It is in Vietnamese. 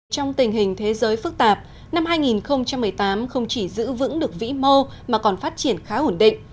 trong tình hình thế giới phức tạp năm hai nghìn một mươi tám không chỉ giữ vững được vĩ mô mà còn phát triển khá ổn định